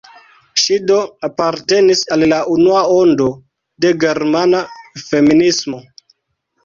Ŝi do apartenis al la unua ondo de germana feminismo.